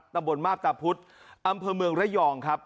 ตำบลมาพตาพุธอำเภอเมืองระยองครับ